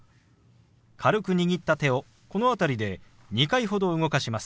軽く握った手をこの辺りで２回ほど動かします。